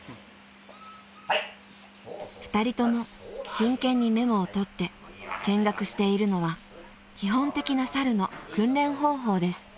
［２人とも真剣にメモを取って見学しているのは基本的な猿の訓練方法です］